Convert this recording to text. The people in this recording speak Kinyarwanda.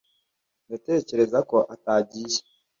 Ndatekereza ko atagiye.